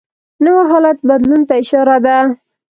نوی حالت بدلون ته اشاره ده